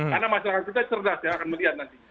karena masyarakat kita cerdas ya akan melihat nanti